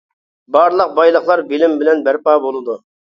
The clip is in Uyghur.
بارلىق بايلىقلار بىلىم بىلەن بەرپا بولىدۇ.